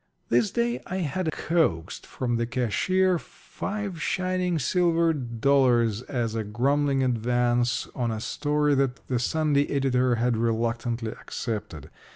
This day I had coaxed from the cashier five shining silver dollars as a grumbling advance on a story that the Sunday editor had reluctantly accepted.